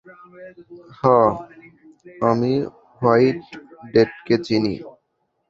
হ্যাঁ, আমি হোয়াইট ডেথকে চিনি।